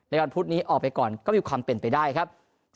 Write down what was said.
วันพุธนี้ออกไปก่อนก็มีความเป็นไปได้ครับ